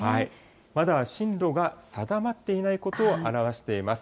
まだ進路が定まっていないことを表しています。